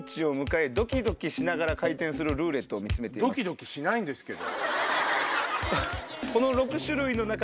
ドキドキしないんですけど。